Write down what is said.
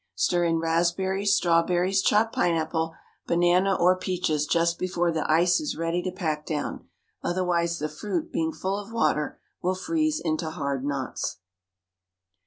Stir in raspberries, strawberries, chopped pineapple, banana, or peaches just before the ice is ready to pack down; otherwise the fruit, being full of water, will freeze into hard knots.